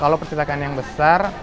kalau percetakan yang besar